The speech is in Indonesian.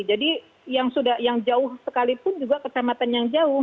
jadi yang sudah yang jauh sekalipun juga kecamatan yang jauh